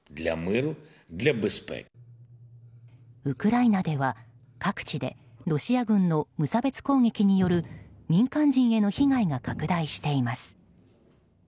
ウクライナでは各地でロシア軍の無差別攻撃による民間人への被害が拡大しています。